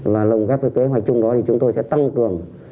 và lồng ghép với kế hoạch chung đó thì chúng tôi sẽ tăng cường